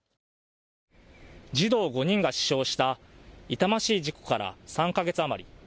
児童５人が死傷した痛ましい事故から３か月余り。